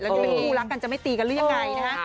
นี่เป็นคู่รักกันจะไม่ตีกันหรือยังไงนะฮะ